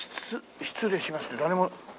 失礼しますって誰も。